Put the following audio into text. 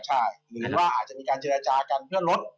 ใช่หรือว่าอาจจะมีการเจรจากันเพื่อลด